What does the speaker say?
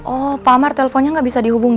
oh pak amar teleponnya nggak bisa dihubungi